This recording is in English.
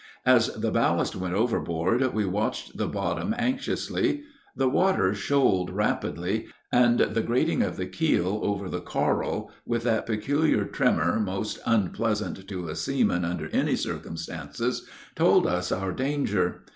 As the ballast went overboard we watched the bottom anxiously; the water shoaled rapidly, and the grating of the keel over the coral, with that peculiar tremor most unpleasant to a seaman under any circumstances, told us our danger.